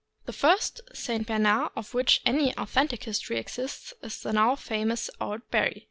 The first St. Bernard of which any authentic history exists is the now famous Old Barry.